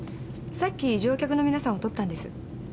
さっき乗客の皆さんを撮ったんです。